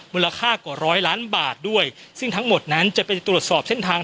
มูลค่ากว่าร้อยล้านบาทด้วยซึ่งทั้งหมดนั้นจะไปตรวจสอบเส้นทาง